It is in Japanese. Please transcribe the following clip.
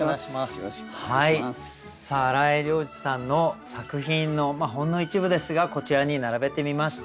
さあ荒井良二さんの作品のまあほんの一部ですがこちらに並べてみました。